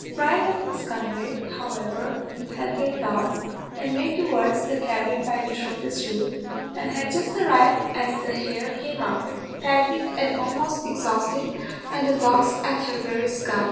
Bryan and his comrade, however, had their thoughts, and made towards the cabin by the shortest route, and had just arrived as the hare came up, panting and almost exhausted, and the dogs at her very scut.